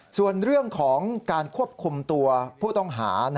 ส่วนเรื่องของการควบคุมตัวผู้ต้องหา